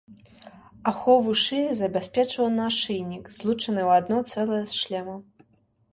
Ахову шыі забяспечваў нашыйнік, злучаны ў адно цэлае з шлемам.